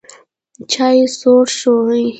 چای سوړ شوی